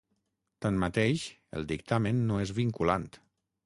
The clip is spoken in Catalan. Tanmateix, el dictamen no és vinculant.